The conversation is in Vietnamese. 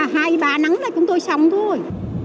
hai ba nắng là chúng tôi xong thôi